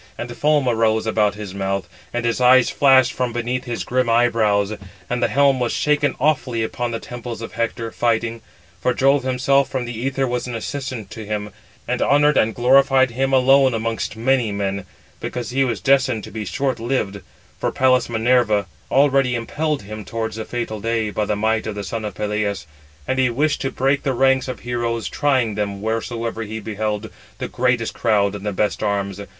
And foam arose about his mouth, and his eyes flashed from beneath his grim eyebrows; and the helm was shaken awfully upon the temples of Hector, fighting; for Jove himself from the æther was an assistant to him, and honoured and glorified him alone amongst many men; because he was destined to be short lived: for Pallas Minerva already impelled him towards the fatal day, by the might of the son of Peleus. And he wished to break the ranks of heroes, trying them, wheresoever he beheld the greatest crowd and the best arms.